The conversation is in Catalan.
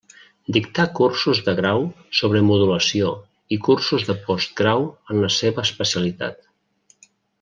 Dictà cursos de grau sobre modulació i cursos de postgrau en la seva especialitat.